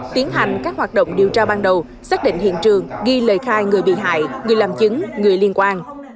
tiến hành các hoạt động điều tra ban đầu xác định hiện trường ghi lời khai người bị hại người làm chứng người liên quan